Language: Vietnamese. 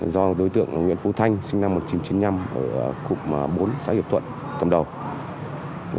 do đối tượng nguyễn phú thanh sinh năm một nghìn chín trăm chín mươi năm ở cụm bốn xã hiệp thuận cầm đầu